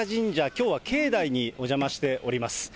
きょうは境内にお邪魔しております。